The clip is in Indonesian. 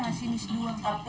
bapak di kapal